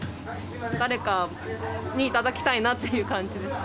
誰かに頂きたいなっていう感じです。